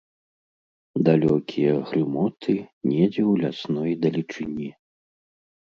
Далёкія грымоты недзе ў лясной далечыні.